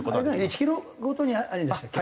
１キロごとにあるんでしたっけ？